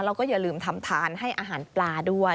แล้วก็อย่าลืมทำทานให้อาหารปลาด้วย